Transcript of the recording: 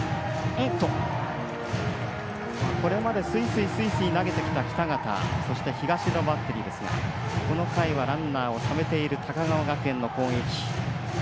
これまですいすい投げてきた北方そして東出のバッテリーですがこの回はランナーをためている高川学園の攻撃。